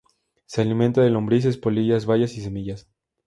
Se alimenta de lombrices, polillas, bayas y semillas.